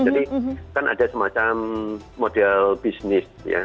jadi kan ada semacam model bisnis ya